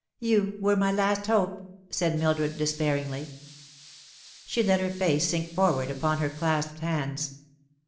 You were my last hope," said Mildred despairingly. She let her face sink forward upon her clasped hands.